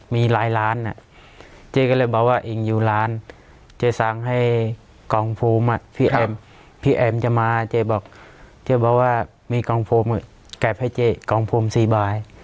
พี่แอมจะมาเจ๊บอกว่ามีกลองโฟมเก็บให้เจ๊กลองโฟม๔บาท